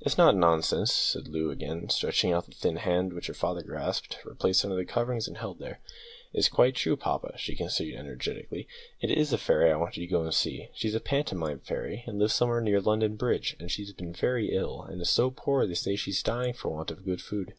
"It's not nonsense," said Loo, again stretching out the thin hand, which her father grasped, replaced under the coverings, and held there; "it's quite true, papa," she continued energetically! "it is a fairy I want you to go and see she's a pantomime fairy, and lives somewhere near London Bridge, and she's been very ill, and is so poor that they say she's dying for want of good food."